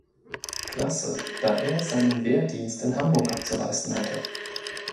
Klasse, da er seinen Wehrdienst in Hamburg abzuleisten hatte.